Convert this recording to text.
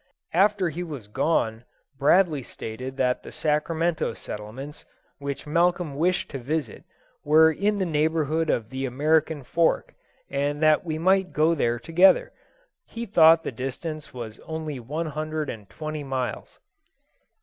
After he was gone Bradley stated that the Sacramento settlements, which Malcolm wished to visit, were in the neighbourhood of the American Fork, and that we might go there together; he thought the distance was only one hundred and twenty miles.